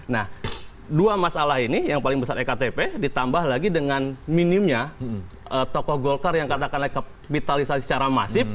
nah dua masalah ini yang paling besar ektp ditambah lagi dengan minimnya tokoh golkar yang katakanlah kapitalisasi secara masif